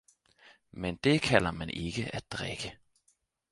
men det kalder man ikke at drikke!